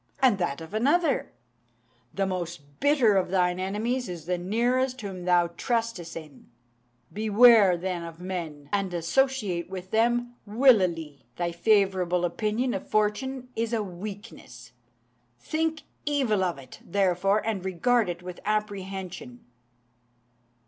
"And that of another "'The most bitter of thine enemies is the nearest whom thou trustest in: beware then of men, and associate with them wilily. Thy favourable opinion of fortune is a weakness: think evil of it, therefore, and regard it with apprehension!'"